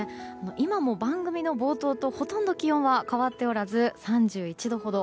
今も番組の冒頭とほとんど気温は変わっておらず、３１度ほど。